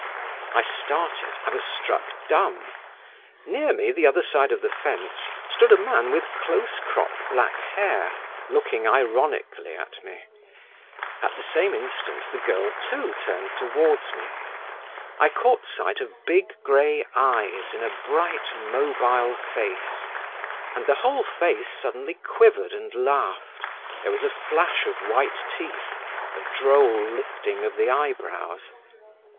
I started, I was struck dumb…. Near me, the other side of the fence, stood a man with close cropped black hair, looking ironically at me. At the same instant the girl too turned towards me…. I caught sight of big grey eyes in a bright mobile face, and the whole face suddenly quivered and laughed, there was a flash of white teeth, a droll lifting of the eyebrows….